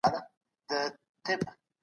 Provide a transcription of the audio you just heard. له ټولني سره نيکي وکړئ.